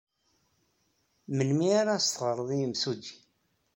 Melmi ara as-teɣred i yimsujji?